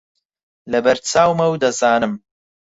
لەبەر چاومە و دەزانم